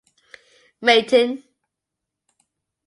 Matin.